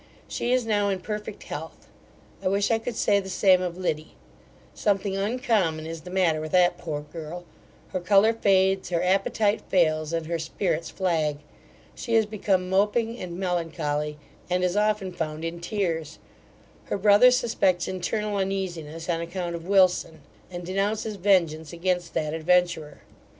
She is now in perfect health; I wish I could say the same of Liddy Something uncommon is the matter with that poor girl; her colour fades, her appetite fails, and her spirits flag She is become moping and melancholy, and is often found in tears Her brother suspects internal uneasiness on account of Wilson, and denounces vengeance against that adventurer.